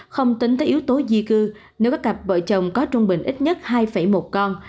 không tính tới yếu tố di cư nếu có cặp vợ chồng có trung bình ít nhất hai một con